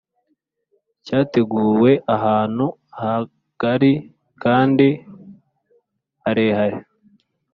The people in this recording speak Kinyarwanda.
cyateguwe ahantu hagari kandi harehare;